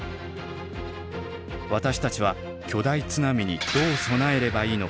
私たちは巨大津波にどう備えればいいのか。